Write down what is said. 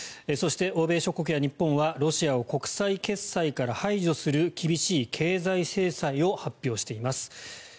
そして欧米諸国や日本はロシアを国際決済から排除する厳しい経済制裁を発表しています。